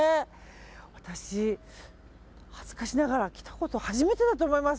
私、恥ずかしながら来たこと初めてだと思います。